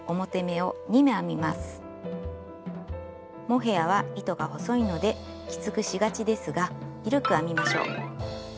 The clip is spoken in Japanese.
モヘアは糸が細いのできつくしがちですが緩く編みましょう。